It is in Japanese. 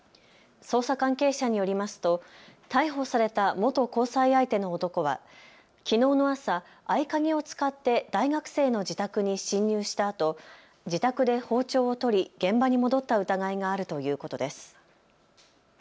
捜査関係者によりますと逮捕された元交際相手の男はきのうの朝、合鍵を使って大学生の自宅に侵入したあと自宅で包丁を取り現場に戻った疑いがあるということです。